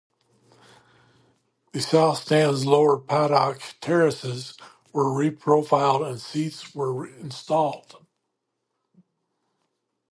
The South Stand's lower paddock terraces were reprofiled and seats were installed.